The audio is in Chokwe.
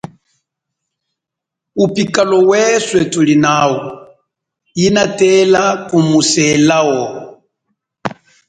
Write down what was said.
Upikalo weswe tulinao inatela kumuselao.